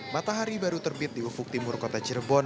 matahari baru terbit di ufuk timur kota cirebon